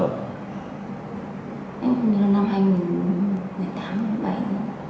em không nhớ năm hai nghìn một mươi tám hai nghìn một mươi bảy